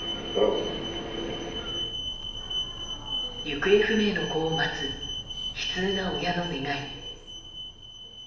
行方不明の子を待つ悲痛な親の願い。